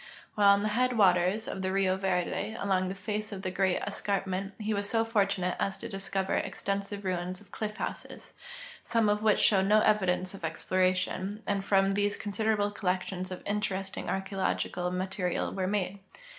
While on the headwaters of the Rio Verde, along the face of the great escar]) ment, he Avas so fortunate as to discover extensive ruins of clitf bouses, some of Avhich shoAved no evidence of exploration, and from these considerable collections of interesting archeologic ma terial Avere made.